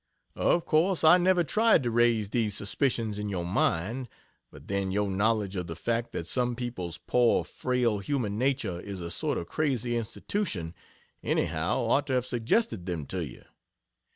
Of course I never tried to raise these suspicions in your mind, but then your knowledge of the fact that some people's poor frail human nature is a sort of crazy institution anyhow, ought to have suggested them to you.